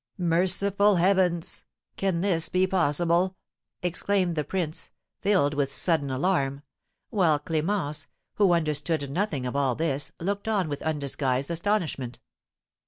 "Merciful heavens! Can this be possible?" exclaimed the prince, filled with sudden alarm; while Clémence, who understood nothing of all this, looked on with undisguised astonishment.